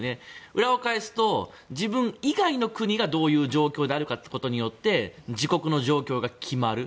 裏を返すと自分以外の国がどういう状況であるかということによって自国の状況が決まる。